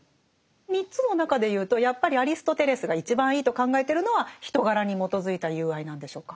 ３つの中で言うとやっぱりアリストテレスが一番いいと考えてるのは人柄に基づいた友愛なんでしょうか？